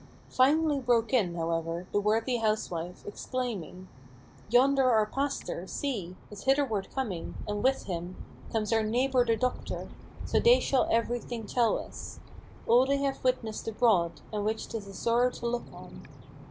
Finally broke in, however, the worthy housewife, exclaiming: "Yonder our pastor, see! is hitherward coming, and with him Comes our neighbor the doctor, so they shall every thing tell us; All they have witnessed abroad, and which 'tis a sorrow to look on."